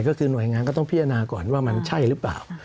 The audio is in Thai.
ก็คือหน่วยงานก็ต้องพิจารณาก่อนว่ามันใช่หรือเปล่า